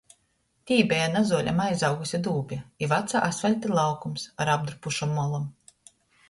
Tī beja nazuolem aizauguse dūbe i vaca asvalta laukums ar apdrupušom molom.